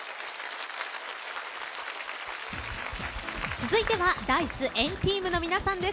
続いてはＤａ‐ｉＣＥ＆ＴＥＡＭの皆さんです。